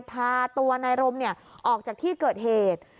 พาตัวนายรมออกจากที่เกิดเหตุ